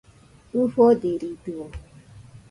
ɨfodiridɨo